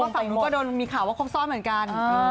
คือมาฝั่งหนูก็มีข่าวว่าครบซ้อนเหมือนกัน